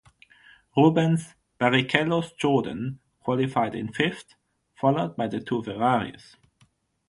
Rubens Barrichello's Jordan qualified in fifth, followed by the two Ferraris.